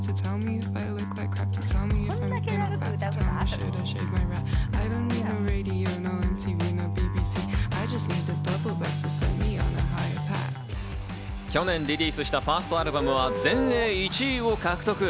こんだけ、だるく去年リリースしたファーストアルバムは全英１位を獲得。